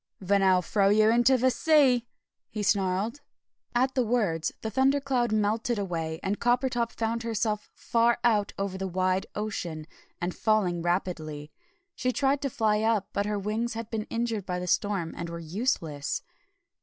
"Then I'll throw you into the sea!" he snarled. At the words the thundercloud melted away, and Coppertop found herself far out over a wide ocean, and falling rapidly. She tried to fly up, but her wings had been injured by the storm, and were useless.